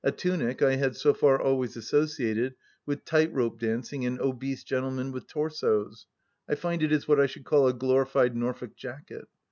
A " tunic " I had so far always associated with tight rope dancing and obese gentlemen with torsos — I find it is what I should call a glorified Norfolk jacket.